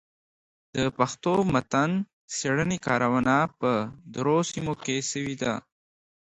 د پښتو متن څېړني کارونه په درو سيمو کي سوي دي.